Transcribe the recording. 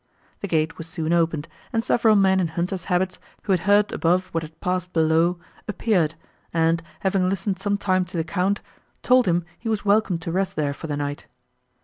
The gate was soon opened, and several men in hunters' habits, who had heard above what had passed below, appeared, and, having listened some time to the Count, told him he was welcome to rest there for the night.